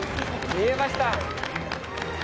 見えました。